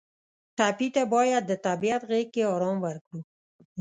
ټپي ته باید د طبیعت غېږ کې آرام ورکړو.